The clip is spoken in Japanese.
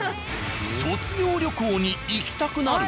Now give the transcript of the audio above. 卒業旅行に行きたくなる？